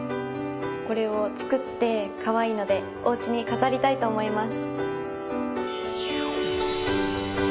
これを作ってカワイイのでおうちに飾りたいと思います。